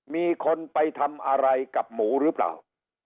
มีคนไปทำอะไรกับหมูหรือเปล่า